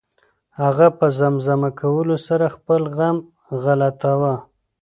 هغه په زمزمه کولو سره خپل غم غلطاوه.